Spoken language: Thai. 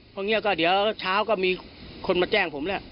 พอเงียบก็เดี๋ยวเช้าก็มีคนมาแจ้งผมแล้ว